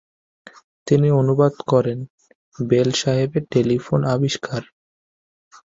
তিনি অনুবাদ করেন "বেল সাহেবের টেলিফোন আবিষ্কার"।